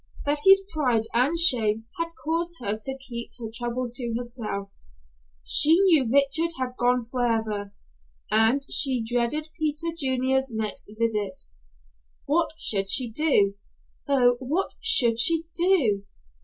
Betty's pride and shame had caused her to keep her trouble to herself. She knew Richard had gone forever, and she dreaded Peter Junior's next visit. What should she do! Oh, what should she do!